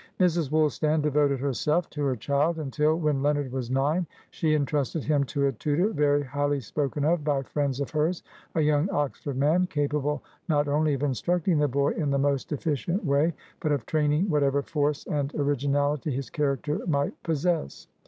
Mrs. Woolstan devoted herself to her child, until, when Leonard was nine, she entrusted him to a tutor very highly spoken of by friends of hers, a young Oxford man, capable not only of instructing the boy in the most efficient way, but of training whatever force and originality his character might possess.